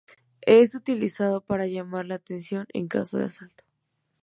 Es utilizado para llamar la atención en caso de asalto.